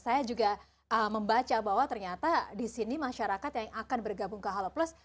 saya juga membaca bahwa ternyata di sini masyarakat yang akan bergabung ke halo plus